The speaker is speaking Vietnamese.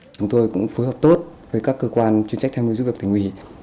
chúng tôi cũng phối hợp tốt với các cơ quan chuyên trách tham mưu giúp việc tỉnh ủy